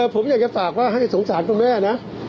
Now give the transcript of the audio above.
ผมอยากจะฝากว่าให้สงสารคุณแม่นะ